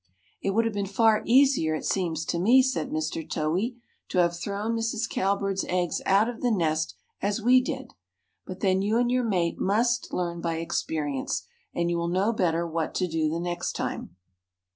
"It would have been far easier, it seems to me," said Mr. Towhee, "to have thrown Mrs. Cowbird's eggs out of the nest as we did. But then you and your mate must learn by experience and you will know better what to do the next time."